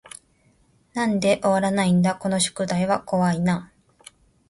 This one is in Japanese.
なんで終わらないだこの宿題は怖い y な